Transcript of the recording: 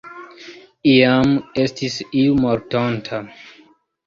Iam estis iu mortonta.